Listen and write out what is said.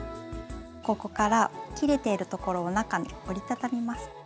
ここから切れているところを中に折りたたみます。